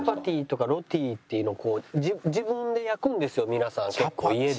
皆さん結構家で。